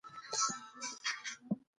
د خوښۍ ساتل د کورنۍ د پلار د کار برخه ده.